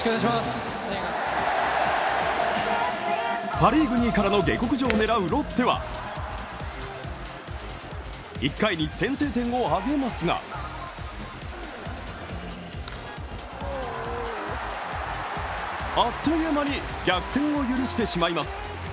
パ・リーグ２位からの下克上を狙うロッテは１回に先制点を挙げますがあっという間に逆転を許してしまいます。